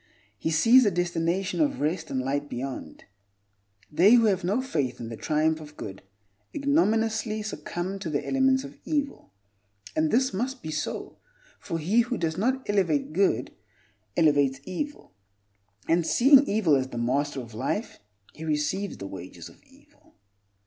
He sees a destination of rest and light beyond. They who have no faith in the triumph of good ignominiously succumb to the elements of evil. And this must be so; for he who does not elevate good, elevates evil, and, seeing evil as the master of life, he receives the wages of evil.